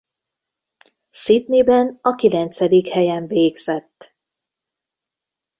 Sydney-ben a kilencedik helyen végzett.